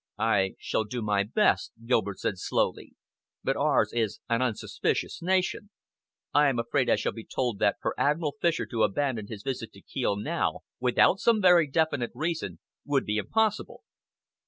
"I shall do my best," Gilbert said slowly, "but ours is an unsuspicious nation. I am afraid I shall be told that for Admiral Fisher to abandon his visit to Kiel now, without some very definite reason, would be impossible."